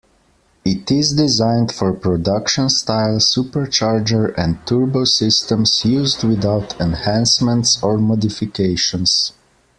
It is designed for production-style supercharger and turbo systems used without enhancements or modifications.